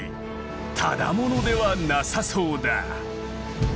ただものではなさそうだ。